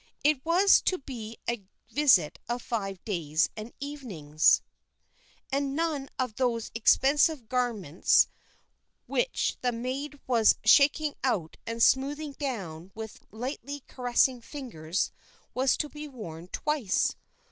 It was to be a visit of five days and evenings, and none of those expensive garments which the maid was shaking out and smoothing down with lightly caressing fingers, was to be worn twice.